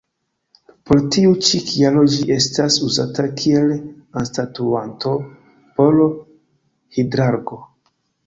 Por tiu ĉi kialo ĝi estas uzata kiel anstataŭanto por Hidrargo.